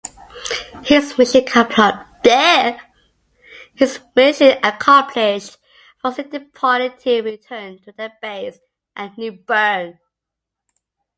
His mission accomplished, Foster departed to return to their base at New Bern.